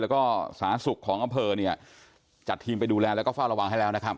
แล้วก็สาธารณสุขของอำเภอเนี่ยจัดทีมไปดูแลแล้วก็เฝ้าระวังให้แล้วนะครับ